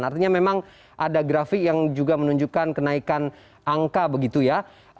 artinya memang ada grafik yang juga menunjukkan kenaikan angka begitu ya